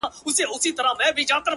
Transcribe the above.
دا هم له تا جار دی؛ اې وطنه زوروره؛